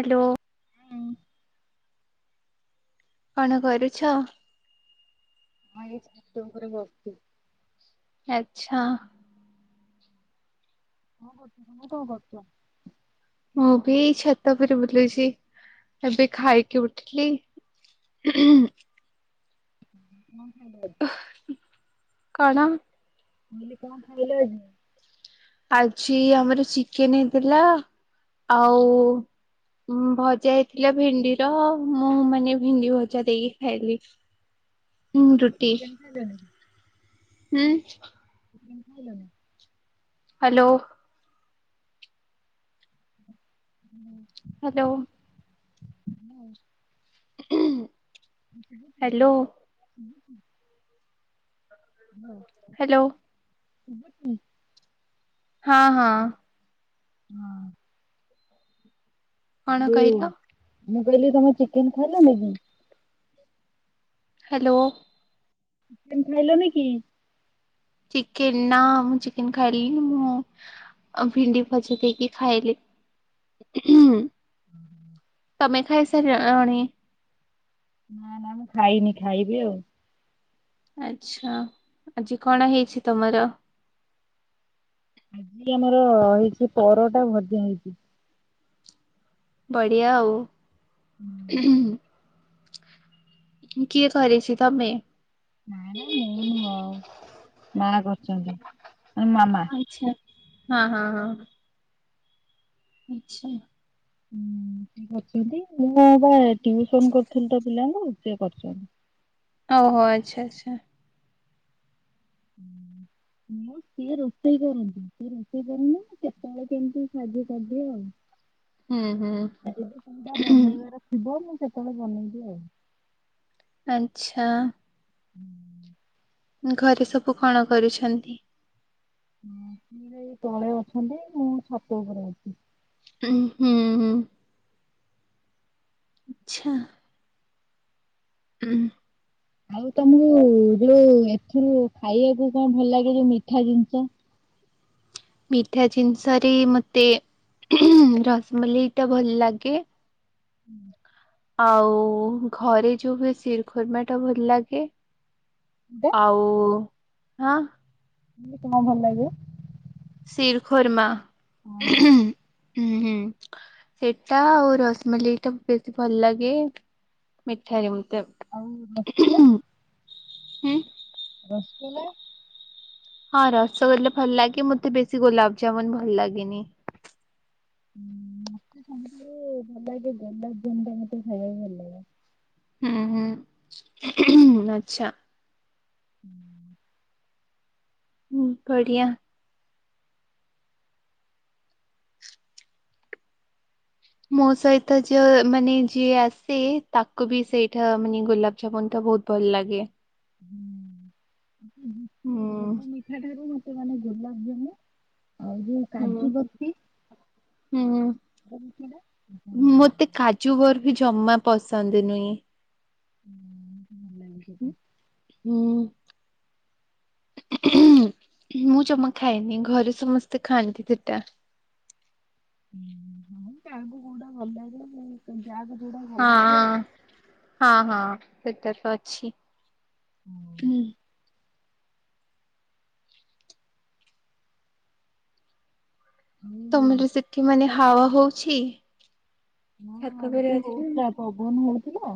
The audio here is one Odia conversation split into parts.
ହାଲୋ। ହୁଁ। କଣ କରୁଛ। ନା ଏଇଛାତ ଉପରେ ବସ୍‌ଛୁ। ଆଛା। କଅଁ କରୁଚୁ ତମେ କଅଁ କରୁଛ। ମୁଁ ବି ଛାତଉପରେ ବୁଲୁଚି ଏବେ ଖାଇକି ଉଠିଲି। ଉଁ ହୁଁ। କଅଁ ଖାଇଲ ଆଜି? କଣ। ମୁଁ କଇଲି କଣ ଖାଇଲେ ଆଜି। ଆଜି ଆମର ଚିକେନ ହେଇଥିଲା ଆଉ ଉଁ ଭଜା ହେଇଥିଲା ଭେଣ୍ଡି ର ମୁଁ ମାନେ ଭେଣ୍ଡି ଭଜା ଦେଇକି ଖାଇଲି। [inaudible] ହୁଁ ରୁଟି। ଚିକେନ୍‌। ହୁଁ। ଚିକେନ୍‌ ଖାଇଲଣି। ହାଲୋ। ହୁଁ। ହାଲୋ। ହୁଁ। [inaudible] Hello hello. [inaudible] ହଁ ହଁ। ହଁ। କଣ ବୁ କହିଲ ମୁଁ କହିଲି ତମେ ଚିକେନ ଖାଇଲନ କି? ହ୍ୟାଲୋ। ଖାଇଲନି କି? ଚିକେନ ନା ମୁଁ ଚିକେନ ଖାଇଲିନିି ମୁଁ ଭିଣ୍ଡି ଭଜା ଦେଇକି ଖାଇଲି ହୁଁ। [inaudible] ତମେ ଖାଇ ସାରି ଲଣି। ନା ନା ମୁଁ ଖାଇନି ଖାଇବି ଆଉ। ଆଚ୍ଛା ଆଜି କଣ ହେଇଛି ତମର? ଆଜି ଆମର ହେଇଚି ପରଟା ଭଜା ହେଇଚି। ବଢିଆ ଆଉ। କିଏ କରଛି ତମେ? ନାଇ ନାଇ ମୁଁ ନୁହଁ ମା କରିଛନ୍ତି ମାନେ ମାମା। ଆଚ୍ଛା ହଁ ହଁ ହଁ। ଆଚ୍ଛା। ଅଛନ୍ତି ମୁଁ ବା ଟିଉସନ କରୁଥିଲି ତ ପିଲାଙ୍କୁ ସେ କରିଛନ୍ତି। ଓହୋ ଆଚ୍ଛା ଆଚ୍ଛା। ହୁଁ। ମୁଁ ସିଏ ରୋଷେଇ କରନ୍ତି ସିଏ ରୋଷେଇ କରିଲେ କେତେବେଳେ କେମିତି ସାହାଯ୍ୟ କରିଦିଏ ଆଉ। [inaudible] ହୁଁ ହୁଁ। ଯଦି କୋଉଟା ବନେଇବାର ଥିବ ମୁଁ ସେତେବେଳେ ବନେଇବି ଆଉ। ଆଚ୍ଛା। ଘରେ ସବୁ କଣ କରୁଛନ୍ତି? ସିଏ ଯୋଉ ତଳେ ଅଛନ୍ତି ମୁଁ ଛାତ ଉପରେ ଅଛି। ଉଁ ହୁଁ। ହୁଁ। ଆଚ୍ଛା। ହୁଁ। ଆଉ ତମକୁ ଯୋଉ ଏଥିରୁ ଖାଇବାକୁ କଣ ଭଲ ଲାଗେ ଯୋଉ ମିଠା ଜିନିଷ? ମିଠା ଜିନିଷରେ ମତେ ରସମଲେଇଟା ଭଲ ଲାଗେ। ହୁଁ। ଆଉ ଘରେ ଯୋଉ ହୁଏ ଶିରଖୁର୍ମାଟା ଭଲ ଲାଗେ। ଟା ଆଉ ହଁ। [unintelligible] ଭଲ ଲାଗେ। ଶିରଖୁର୍ମା ହଁ, ହଁ। ହୁଁ ହୁଁ ସେଇଟା ଆଉ ରସମଲେଇଟା ବେଶୀ ଭଲ ଲାଗେ। ମିଠା ଯୋଉ ଆଉ। [unintelligible] ହୁଁ। ରସଗୋଲା ହଁ ରସଗୋଲା ଭଲ ଲାଗେ ମତେ ବେଶୀ ଗୋଲାପଜାମୁନ ଭଲ ଲାଗେନି। ହୁଁ ମତେ ସବୁଠୁ ଭଲ ଲାଗେ ଗୋଲାପଜାମୁନଟା ମତେ ଖାଇବାକୁ ଭଲ ଲାଗେ। ହୁଁ ହୁଁ ଆଚ୍ଛା। ହୁଁ। ହୁଁ ପଢିଆ ମୋ ସହିତ ଯେ ମାନେ ଯିଏ ଆସି ତାକୁ ବି ସେଇଟା ମାନେ ଗୋଲାପ ଜୀବନ୍ତ ବହୁତ ଭଲ ଲାଗେ। ହୁଁ ସବୁ ମିଠା ଠାରୁ ମତେ ମାନେ ଗୋଲାପ ଜାମୁ ଆଉ ଯୋଉ ହୁଁ କାଜୁବଫ୍ରି। ହୁଁ। [unintelligible] କାଜୁବଫ୍ରି ଜମା ପସନ୍ଦ ନୁହେଁ। ହୁଁ। [unintelligible] ହୁଁ। [unintelligible] ମୁଁ ଜମା ଖାଏନି ଘରେ ସମସ୍ତେ ଖାଆନ୍ତି ସେଟା। ହୁଁ କାହାକୁ କୋଉଟା ଭଲ ଲାଗିଲା ମୁଁ ତ ଯାଆ ଯୋଉଟା ଭଲ ହଁ ଲାଗେ ହଁ ହଁ ହଁ ସେଟା ତ ଅଛି ଆଉ। ହୁଁ। ହୁଁ। ତମର ସେଠି ମାନେ ହାୱ ହଉଛି। ହଁ ଛାତ ଉପରେ ଏବେ ଅଛି ହଉଥିଲା, ପବନ ହଉଥିଲା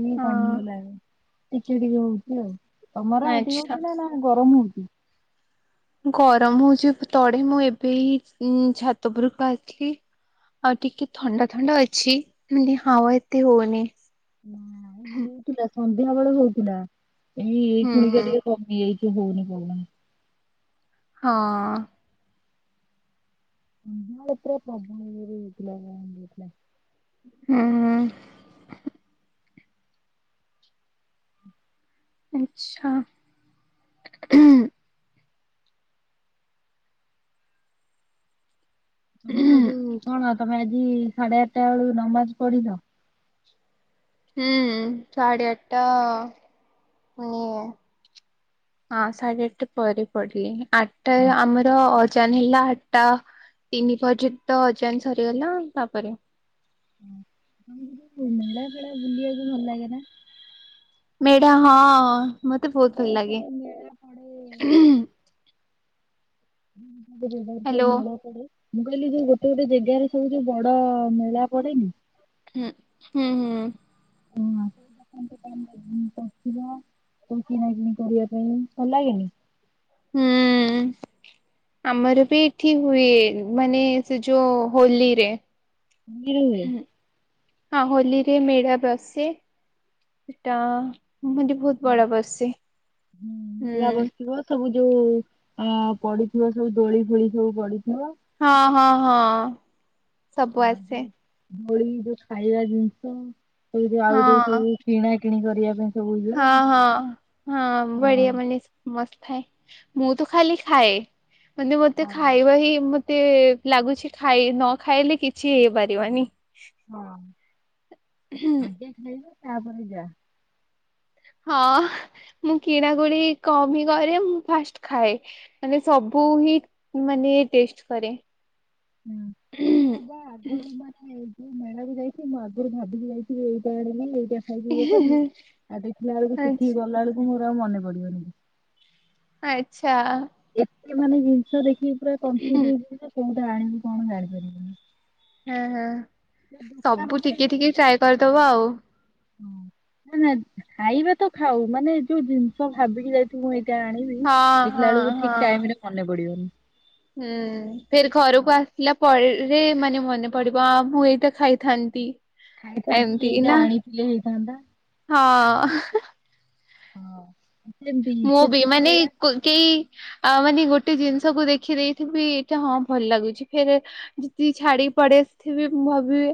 ଏଇ ହଁ କମିଗଲାଣି। ଟିକେ ଟିକେ ହଉଚି ଆଉ, ତମର ହେଟି ଆଚ୍ଛା। ହଉଚି ନା ନା ଗରମ ହଉଚି। ଗରମ ହଉଛି ତଡେ ମୁଁ ଏବେ ଏଇ ଛାତ ଉପୁରକୁ ଆସଲି। ଆଉ ଟିକେ ଥଣ୍ଡା ଥଣ୍ଡା ଅଛି ମାନେ ହାୱ ଏତେ ହଉନି। ନା ଏଠି ହଉଥିଲା ସନ୍ଧ୍ୟା ବେଳୁ ହଉଥିଲା ଏଇ ଏଇ ହୁଁ ଖୁଣିକା ଟିକେ କମି ଯାଇଚି ହଉନି ପବନ। ହଁ। ସନ୍ଧ୍ୟାଳେ ପୁରା [unintelligible] ଉଁ ହୁଁ। ଆଛା ଉଁ ହୁଁ। ତମର ଯୋଉ କଣ ତମେ ଆଜି ସାଢେ ଆଟଟା ବେଳୁ ନମାଜ ପଢିଲ। ହୁଁ ସାଢ଼େ ଆଟଟା [unintelligible] ହଁ ସାଢେ ଆଟଟା ପରେ ପଡିଲି ଆଟା ହଁ। ଆମର ଅ ଚାନ ହେଲା ଆଟଟା ତିନି ପର୍ଯ୍ୟ ତ ଅଜାନ ସରିଗଲା ତାପରେ। [unintelligible] ମେଳା ଫେଳା ବୁଲିବାକୁ ଭଲ ଲାଗେ ନା? ମେଢା ହଁ। ମତେ ଭଲ ବହୁତ ଲାଗେ ଥର ମେଳା ପଡ଼େ। [unintelligible] ହ୍ୟାଲୋ। ମେଳା ପଡେ। ମୁଁ କହିଲି ଯୋଉ ଗୋଟେ ଗୋଟେ ଜେଗାରେ ସବୁ ଯୋଉ ବଡ ମେଳା ପଡେନି। ହୁଁ ହୁଁ ହୁଁ। [unintelligible] ସବୁ କିଣାକିଣି କରିବା ପାଇଁ ଭଲ ଲାଗେନି। ହୁଁ। ଆମର ବି ଏଠି ହୁଏ, ମାନେ ସେ ଯୋଉ ହୋଲିରେ। ହୋଲିରେ ହୁଏ। ହଁ ହୋଲିରେ ମେଳା ବସେ ସେଟା ମ ବହୁତ ହଁ ବଡ ବସେ ହୁଁ ମେଳା ହୁଁ। ବସିବ ସବୁ ଯୋଉ ଅ ପଡିଥିବ ସବୁ ଦୋଳି ଫୋଳି ସବୁ ପଡିଥିବ। ହଁ ହଁ ହଁ। ସବୁ ଆସେ ଦୋଳି ଯୋଉ ଖାଇବା ଜିନିଷ ସେ ଯୋଉ ଆଉ ଯୋଉ ହଁ। ସବୁ କିଣା କିଣି କରିବା ପାଇଁ। ସବୁ ଇଏ ହଁ ହଁ ହଁ ବଢିଆ [unintelligible] ମସ୍ତ ଥାଏ, ମୁଁ ତ ଖାଲି ଖାଏ ମାନେ ମତେ ଖାଇବା ହିଁ ମତେ ଲାଗୁଛି ଖାଇ ନ ଖାଇଲେ କିଛି ହେଇପାରିବନି। ହଁ ଆଗେ ଖାଇବା ତାପରେ ଯା। ହଁ, ମୁଁ କିଣାକୁଣି କମ ହିଁ କରେ ମୁଁ ଫାଷ୍ଟ ଖାଏ। ମାନେ ସବୁ ହିଁ, ମାନେ ଟେଷ୍ଟ କରେ। ଉଁ, ମୁଁ ବା ଆଗରୁ ବା ଏଇ ଯେ ମେଳାକୁ ଯାଇଛି ମୁଁ ଆଗୁରୁ ମୁଁ ଅଧିକ ଯାଇଛି ଏଇଟା [unintelligible] ଏଇଟା ଖାଇକି ଇଏ କରିମି, ଆଉ ଦେଖିଲା ବେଳକୁ ସେଠିକି ଆଛା ଗଲା ବେଳକୁ ମୋର ଆଉ ମନେ ପଡିବନି। ଆଚ୍ଛା। ଏତେ ମାନେ ଜିନିଷ ଦେଖିକି ପୁରା କନଫ୍ୟୁଜ୍ ହେଇଯିବି ଯେ, କୋଉଟା ଆଣିମି କଣ ଜାଣିପାରିବିନି। ହଁ, ହଁ, ଯୋଉ ଦୋକାନ ସବୁ ପକେଇ ଟିକେ ଟିକେ ଟ୍ରାଏ କରିଦବ ଆଉ। ହଁ ନା, ନା ଖାଇବା ତ ଖାଉ, ମାନେ ଯୋଉ ଜିନିଷ ଭାବିିକି ଯାଇଥିବୁ ମୁଁ ଏଇଟା ଆଣିି ଆଣିବି, ହଁ ଦେଖିଲା ହଁ ବେଳକୁ ଠିକ ଟାଇମ୍ ରେ ମନେ ପଡିବନି। ହଁ। ଫେର୍ ଘରକୁ ଆସିଲା ପରେ, ମନେ ପଡିବ ହଁ ମୁଁ ଏଇଟା ଖାଇଥାନ୍ତି। ଖାଇଥାନ୍ତି, ଏମତି ଏଇଟା ନା ଆଣିଥିଲେ ହେଇଥାନ୍ତା। ହଁ। ହଁ। ସେମିତି ମୁଁ ବି, ସେଠି ମାନେ ଏ ମେଳା କ-କେଇ ଆ, ମାନେ ଗୋଟେ ଜିନିଷକୁ ଦେଖି ଦେଇଥିବି ଏଇଟା ହଁ ଭଲ ଲାଗୁଛି, ଫେରେ ଯଦି ଛାଡିକି ପଡି ଆସିଥିବି ଭାବିବେ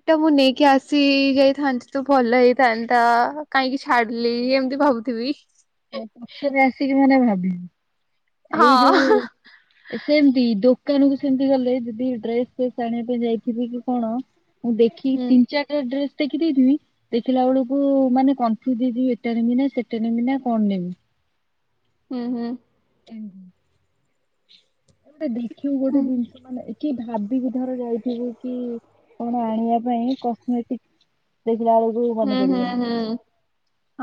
ଏଟା ମୁଁ ନେଇକି ଆସି ଯାଇଥାନ୍ତି ତ ଭଲ ହେଇଥାନ୍ତା, କାହିଁକି ଛାଡିଲି, ଏମିତି ଭାବୁଥିବି। ତ ପଛରେ ଆସିକି ମାନେ ଭାବିବି, ଏଇ ହଁ ଯୋଉ ଏ ସେମତି, ଦୋକାନ କୁ ସେମିତି ଗଲେ ଯଦି ଡ୍ରେସ୍ ଫେସ୍ ଆଣିବା ପାଇଁ ଯାଇଥିବି କି କଣ ମୁଁ ଦେଖିକି, ହୁଁ ତିନ, ଚାଟା ଡ୍ରେସ୍ ଟେକି ଦେଇଥିମି ଦେଖିଲା ବେଳକୁ ମାନେ କନଫ୍ୟୁଜ୍ ହେଇଯିବି, ଏଟା ନେମି ନା, ସେଟା ନେମି ନା, କଣ ନେମି। ହଁ, ହଁ। ଏମତି ଏ ଗୋଟେ ଦେଖିବୁ ଗୋଟେ ହୁଁ ଜିନିଷ ମାନେ, ଏ କି ଭାବିକି ଧର ଯାଇଥିବୁ କି କଣ ଆଣିବା ପାଇଁ କସ୍ମେଟିକ୍ ଦେଖିଲା ବେଳକୁ ମନେ ହୁଁ, ହୁଁ, ପଡିବନି କି ହୁଁ,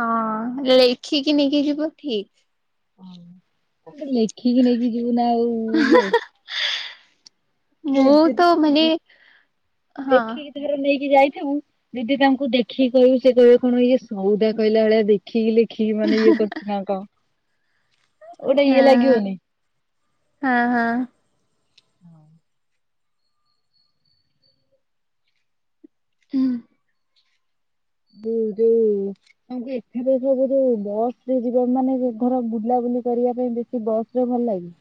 ହଁ ଲେଖିକି ନେଇକି ଯିବ ଠିକ। ହଁ [unintelligible] ଲେଖିକି ନେଇକି ଯିବୁନା ଆଉ। ଇଏ [unintelligible] ଏ ମୁଁ ଯଦି ତ ଉଁ, ମାନେ ହଁ ଲେଖିକି ଧର ନେଇକି ଯାଇଥିବୁ ଯଦି ତାଙ୍କୁ ଦେଖିକି କହିବୁ, ସେ କହିବେ କଣ ଏଇଗା ସଉଦା କହିଲା ଭଳିଆ ଦେଖିକି ଲେ ଖିକିି ମାନେ ଇଏ କରୁଚି ନା କଣ। ଗୋଟେ ଇଏ ହଁ, ଲାଗିବନି ହଁ, ହଁ। ହଁ। ତ ବୁ ଯୋଉ ଆଉ ଯେ ଏଥିରେ [unintelligible] ଯୋଉ ବସ୍ ରେ ଯିବ ମାନେ, ଯେ ଧର ବୁଲାବୁଲି କରିବା ପାଇଁ ବେଶୀ ବସ୍ ରେ ଭଲ ଲାଗେ।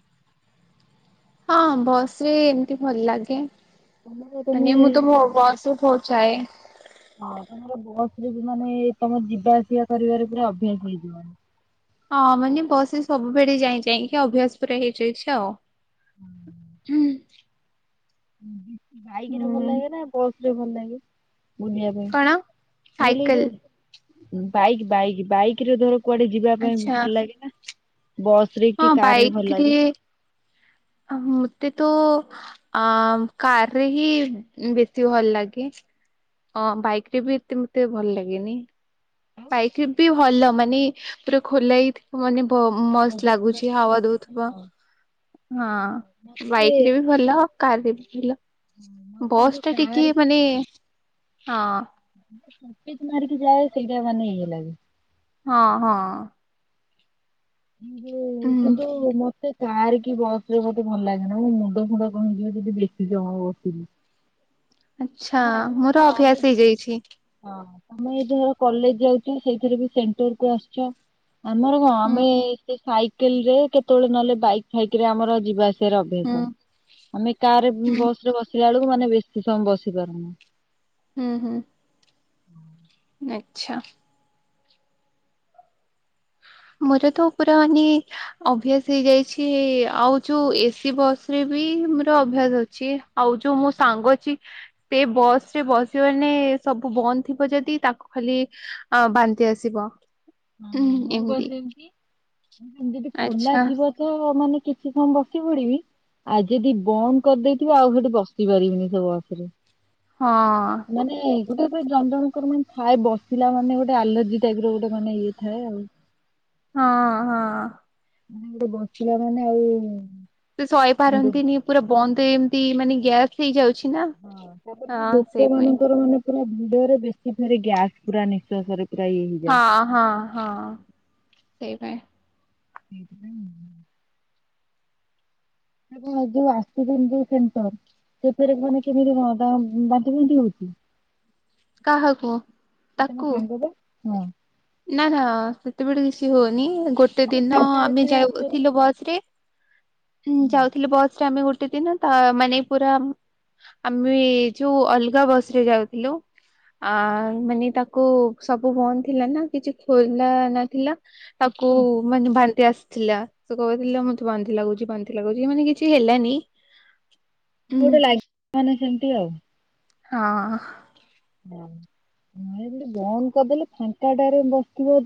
ହଁ, ବସ୍ ରେ ଏମିତି ଭଲ ଲାଗେ। ତମର ତମେ ମାନେ ମୁଁ ତ ଯୋଉ ଭ-ବସ୍ ରେ ବହୁତ ଯାଏ। ହଁ, ତୋମର ବସ୍ ରେ ବି ମାନେ ତୋମର ଯିବା ଆସିବା କରିବାରେ ପୁରା ଅଭ୍ୟାସ ହେଇଯିବନି। ହଁ, ମାନେ ବସ୍ ରେ ସବୁବେଳେ ଯାଇ ଯାଇକା ଅଭ୍ୟାସ ପୁରା ହେଇଯାଇଛି ଆଉ। ହୁଁ। ଉଁ, ହୁଁ, ବାଇକ୍ ରେ ଭଲ ହୁଁ ଲାଗେ ନା, ବସ୍ ରେ ଭଲ ଲାଗେ? ବୁଲିବା ପାଇଁ, କଣ ମୁଁ କହିଲି ଏଇ ସାଇକେଲ ଯୋଉ ବାଇକ୍, ବାଇକ୍, ବାଇକ୍ ରେ ଧର କୁଆଡେ ଯିବା ପାଇଁ ଆଚ୍ଛା ଭଲ ଲାଗେ ନା, ବସ୍ ରେ ହଁ କି କାର୍ ରେ ଭଲ ଲାଗେ କି? ମୋତେ ତ ଅ କାରରେ ହିଁ ବେଶୀ ଭଲ ଲାଗେ। ଅଁ ବାଇକ ରେ ବି ସେମତି ଭଲ ଲାଗେନି? ହଁ, ବାଇକ ରେ ବି ଭଲ ମାନେ ପୁରା ଖୋଲା ହେଇ ମାନେ ମସ୍ତ ଲାଗୁଛି ମତେ ହୱା ଦଉଥିବ ହଁ ବାଇକ ରେ ବି ଭଲ କାରରେ ବି ଭଲ ମତେ ଏଇ ବସ୍ ଯୋଉ ଟା କାର ଟିକେ କି ମାନେ ହଁ କିକ୍ ମାରିକି ଯାଏ ସେଇଟା ମାନେ ଇଏ ଲାଗେ ହଁ ହଁ କିନ୍ତୁ ହୁଁ କିନ୍ତୁ ମତେ କାର କି ବସ ରେ ମତେ ଭଲ ଲାଗେନା ମୋ ମୁଣ୍ଡ ଫୁଣ୍ଡ କଣ ହେଇଯିବ ଯଦି ବେଶୀ ସମୟ ବସିଲି। ଆଛା ମୋର ଅଭ୍ୟାସ ହେଇଯାଇଛି। ହଁ ତମେ ଏଇ ଧର କଲେଜ ଯାଉଛ ସେଇଥିରେ ବି ସେଣ୍ଟର କୁ ଆସିଛ। ଆମର କଣ ହୁଁ ଆମେ ସେ ସାଇକେଲ ରେ କେତେବେଳେ ନହେଲେ ବାଇକ ଫାଇକ ଆମର ଯିବା ଆସ ସେ ର ହୁଁ ଅଭ୍ୟାସ ଆମେ କାର ହୁଁ ବସ ରେ ବସିଲା ବେଳକୁ ମାନେ ବେଶୀ ସମୟ ବସି ପାରୁନୁ। ହୁଁ ହୁଁ ଆଚ୍ଛା ମୋର ତ ପୁରା ମାନେ ଅଭ୍ୟାସ ହେଇଯାଇଛି ଆଉ ଯୋଉ ଏସି ବସ ରେ ବି ମୋର ଅଭ୍ୟାସ ଅଛି। ଆଉ ଯୋଉ ମୋ ସାଙ୍ଗ ଅଛି ସେ ବସ ରେ ବସିବାନେ ସବୁ ବନ୍ଦ ଥିବ ଯଦି ତାକୁ ଖାଲି ଅ ବାନ୍ତି ଆସିବ। ଉଁ ହଁ ମୁଁ ପା ଏମିତି ସେମତି ଯଦି ଖୋଲା ଆଚ୍ଛା ଥିବ। ତ ମାନେ କିଛି ସମୟ ବସି ପଡିବି। ଆଉ ଯଦି ବନ୍ଦ କରିଦେଇଥିବ ଆଉ ସେଠି ବସି ପାରିବିନି ସେ ବସ ରେ। ହଁ ମାନେ ଗୋଟେରେ ପୁରା ଜଣ ଜଣଙ୍କର ମାନେ ଥାଏ ବସିଲା ମାନେ ଗୋଟେ ଆଲର୍ଜି ଟାଇପ ର ଗୋଟେ ମାନେ ଇଏ ଥାଏ ଆଉ ହଁ ହଁ ମାନେ ଗୋଟେ ବସିଲା ମାନେ ଆଉ ସେ ସହି ମୁଣ୍ଡ ପାରନ୍ତିନି ପୁରା ବନ୍ଦ ଏମତି ମାନେ ଗ୍ୟାସ୍ ହେଇଯାଉଛି ନା ହଁ ତାପରେ ହଁ ବି ଲୋକ ସେଇପାଇଁ ମାନଙ୍କର ମାନେ ପୁରା ଭିଡରେ ବେଶୀ ଫେରେ ଗ୍ୟାସ ପୁରା ନିଶ୍ୱାସରେ ହଁ ହଁ ହଁ ସେଇପାଇଁ ସେଇଥିପାଇଁ ଆପଣ ଯୋଉ ଆସିଲେଣି ଯୋଉ ସେଣ୍ଟର ସେଥେରେ ମାନେ କେମିତି ହନ୍ତା ବାନ୍ତି ଫାନ୍ତି ହଉଛି କାହାକୁ ସେ ତମ ତାକୁ ସାଙ୍ଗ ପା ହଁ ନା ନା ସେତେବେଳେ ବେଶି ହଉନି ଗୋଟେ ଗୋଟେ ମାନେ ଦିନ ଫାଙ୍କା ଆମେ ଏଥିରେ ଆସୁଛନ୍ତି। ଯାଉଥିଲୁ ବସ ରେ ହଁ ଯାଉଥିଲୁ ବସ ରେ ଆମେ ଗୋଟେ ଦିନ ତ ମାନେ ପୁରା ଆମେ ଯୋଉ ଅଲଗା ବସ ରେ ଯାଉଥିଲୁ। ଆ ମାନେ ତାକୁ ସବୁ ବନ୍ଦ ଥିଲା ନା। କିଛି ଖୋଲା ନଥିଲା ଏସି ତାକୁ ବସ୍ ମାନେ ବାନ୍ତି ଆସିଥିଲା। ସେ କହୁଥିଲା ମତେ ବାନ୍ତୀ ଲାଗୁଛି ବାନ୍ତି ଲାଗୁଛି ମାନେ କିଛି ହେଲାନି। ହୁଁ ଗୋଟେ ଲାଗେ ମାନେ ସେମତି ଆଉ। ହଁ ନାଇ ଯଦି ବନ୍ଦ କରିଦେଲେ ଫାଙ୍କାଟାରେ ବସିଥିବ।